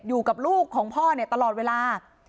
อยู่กับลูกของพ่อเนี่ยตลอดเวลา